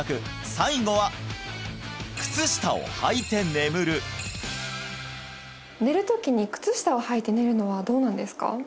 最後は靴下をはいて眠る寝るときに靴下をはいて寝るのはどうなんですか？